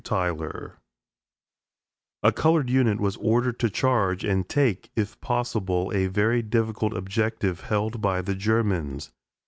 TYLER A colored unit was ordered to charge, and take, if possible, a very difficult objective held by the Germans.